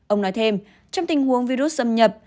ông nói thêm trong tình huống virus xâm nhập